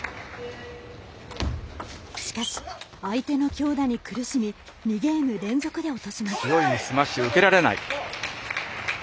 しかし相手の強打に苦しみ２ゲーム連続で落とします。